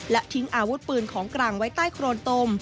และทิ้งอาวุธปืนของกลางไว้ใต้โครนตม